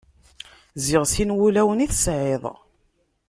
Ziɣ sin wulawen i tesɛiḍ.